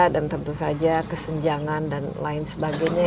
dan tentu saja kesenjangan dan lain sebagainya